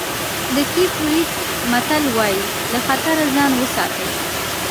د کېپ ورېډ متل وایي له خطره ځان وساتئ.